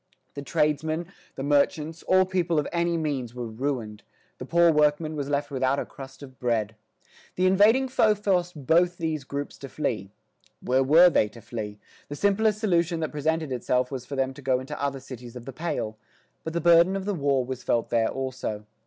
The tradesmen, the merchants, all people of any means were ruined; the poor workman was left without a crust of bread. The invading foe forced both these groups to flee. Where were they to flee? The simplest solution that presented itself was for them to go into other cities of the "Pale." But the burden of the war was felt there also.